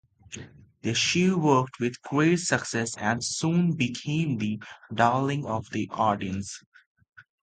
There she worked with great success and soon became the darling of the audience.